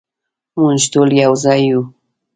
مونږ ټول یو ځای یو